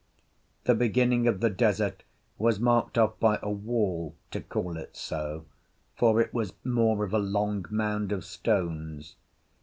The beginning of the desert was marked off by a wall, to call it so, for it was more of a long mound of stones.